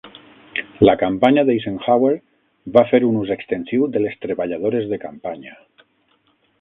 La campanya d'Eisenhower va fer un ús extensiu de les treballadores de campanya.